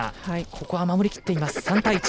ここは守りきっています。